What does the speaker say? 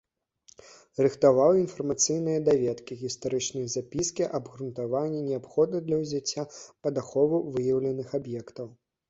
Рыхтаваў інфармацыйныя даведкі, гістарычныя запіскі, абгрунтаванні, неабходныя для ўзяцця пад ахову выяўленых аб'ектаў.